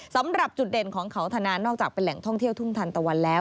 สำหรับจุดเด่นของเขาธนานนอกจากเป็นแหล่งท่องเที่ยวทุ่งทันตะวันแล้ว